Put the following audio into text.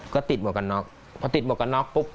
ก็ติดหมวกนอกพอติดหมวกนอกปุ๊บ